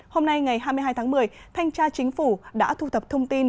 hôm nay ngày hai mươi hai tháng một mươi thanh tra chính phủ đã thu thập thông tin